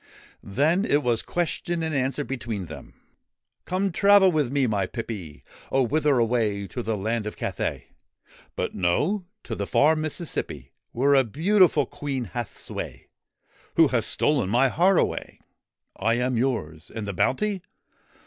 Then it was question and answer between them : 4 Come, travel with me, my pippy.' ' Oh ! Whither away ? To the land of Cathay ?'' But no ; to the far Mississippi, Where a beautiful Queen hath sway, Who has stolen my heart away' 4 / am yours ! And the bounty